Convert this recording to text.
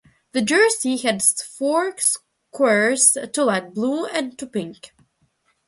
The jersey had four squares, two light blue and two pink.